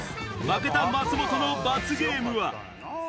負けた松本の罰ゲームは？